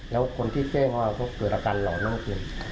แล้วคนที่เจอเขาก็เกิดอาการเหล่านั่งเกิน